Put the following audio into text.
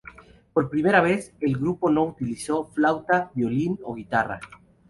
Por primera vez, el grupo no utilizó flauta, violín o guitarra.